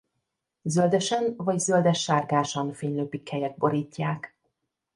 Zöldesen vagy zöldes-sárgásan fénylő pikkelyek borítják.